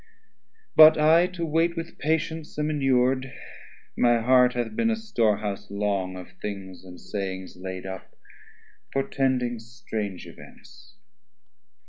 But I to wait with patience am inur'd; My heart hath been a store house long of things And sayings laid up, portending strange events.